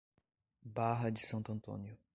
Barra de Santo Antônio